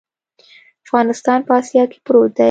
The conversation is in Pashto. افغانستان په اسیا کې پروت دی.